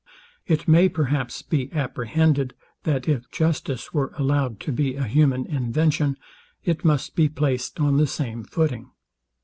It may, perhaps, be apprehended, that if justice were allowed to be a human invention, it must be placed on the same footing.